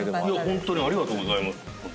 ホントにありがとうございます。